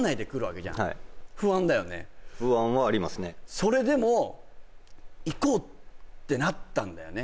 それでも「行こう」ってなったんだよね